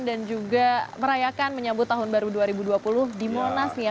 dan juga merayakan menyebut tahun baru dua ribu dua puluh di monas ya